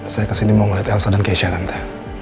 saya kesini mau ngeliat elsa dan kesya tante